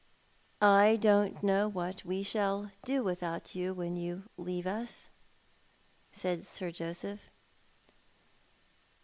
" I don't know what we shall do without you when you leave Tis," said Sir Joseph.